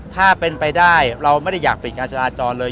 ถ้าเป็นไปได้เราไม่ได้อยากปิดการจราจรเลย